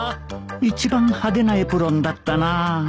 一番派手なエプロンだったな